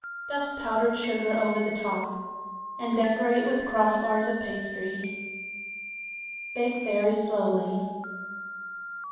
Dust powdered sugar over the top and decorate with crossbars of pastry. Bake very slowly.